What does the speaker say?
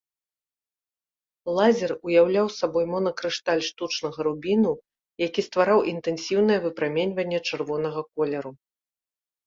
Лазер уяўляў сабой монакрышталь штучнага рубіну, які ствараў інтэнсіўнае выпраменьванне чырвонага колеру.